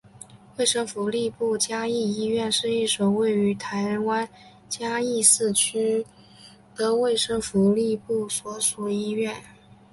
卫生福利部嘉义医院是一所位于台湾嘉义市西区的卫生福利部所属医院。